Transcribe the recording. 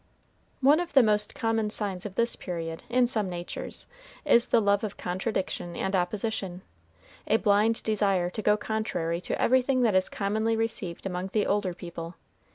One of the most common signs of this period, in some natures, is the love of contradiction and opposition, a blind desire to go contrary to everything that is commonly received among the older people.